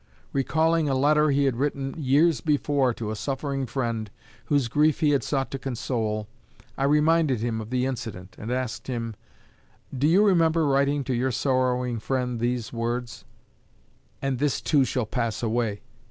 Recalling a letter he had written years before to a suffering friend whose grief he had sought to console, I reminded him of the incident, and asked him: 'Do you remember writing to your sorrowing friend these words: "And this too shall pass away.